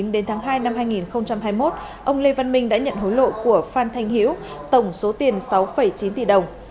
đến tháng hai năm hai nghìn hai mươi một ông lê văn minh đã nhận hối lộ của phan thanh hiếu tổng số tiền sáu chín tỷ đồng